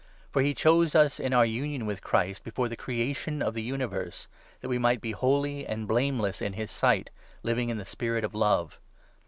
For he chose us in 4 our union with Christ before the creation of the universe, that we might be holy and blameless in his sight, living in the spirit of love.